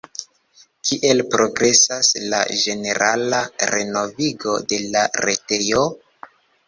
Kiel progresas la ĝenerala renovigo de la retejo?